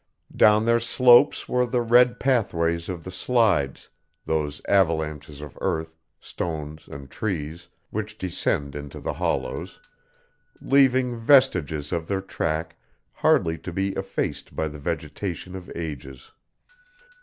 Down their slopes were the red pathways of the slides, those avalanches of earth, stones and trees, which descend into the hollows, leaving vestiges of their track hardly to be effaced by the vegetation of ages.